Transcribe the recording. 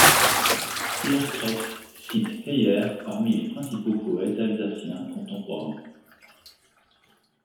Pierre Kretz cite Heyer parmi les principaux poètes alsaciens contemporains.